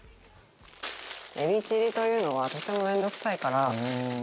エビチリというのはとても面倒くさいから。